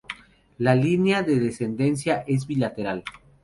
La línea de descendencia es bilateral.